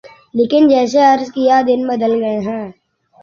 لیکن جیسے عرض کیا دن بدل گئے ہیں۔